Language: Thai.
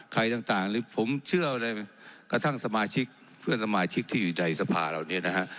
ใครต่างหรือผมเชื่อเลยกระทั่งสมาชิกเพื่อนสมาชิกที่อยู่ในสภาเหล่านี้นะฮะ